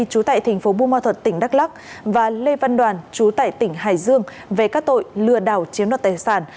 trú tại thành phố bùi ma thuật tỉnh đắk lắk và lê văn đoàn trú tại tỉnh hải dương về các tội lừa đảo chiếm đoạt tài sản